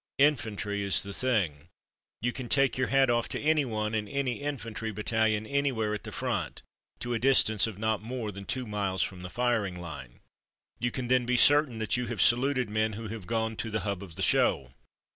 Infantry is the thing. You can take your hat off to any one in any infantry battalion anywhere at the front, to a distance of not more than two miles from the firing line. You can then be certain that you have saluted men who have gone to the hub of the show.